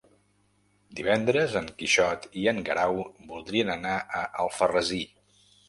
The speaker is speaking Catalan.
Divendres en Quixot i en Guerau voldrien anar a Alfarrasí.